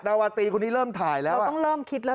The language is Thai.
วาตรีคนนี้เริ่มถ่ายแล้วเราต้องเริ่มคิดแล้ว